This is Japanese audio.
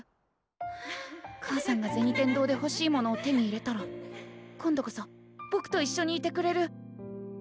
母さんが銭天堂でほしいものを手に入れたら今度こそぼくといっしょにいてくれる。